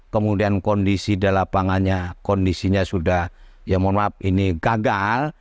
kemudian kondisi di lapangannya kondisinya sudah ya mohon maaf ini gagal